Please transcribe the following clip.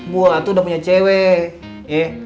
gue tuh udah punya cewek